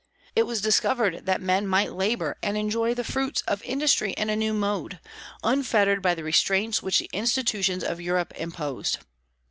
It was discovered that men might labor and enjoy the fruits of industry in a new mode, unfettered by the restraints which the institutions of Europe imposed.